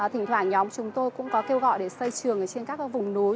thỉnh thoảng nhóm chúng tôi cũng có kêu gọi để xây trường trên các vùng núi